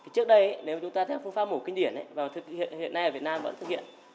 trước đây nếu chúng ta thích phương pháp mổ kinh điển hiện nay ở việt nam vẫn thực hiện